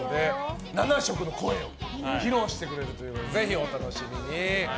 ７色の声を披露してくれるというのでぜひお楽しみに。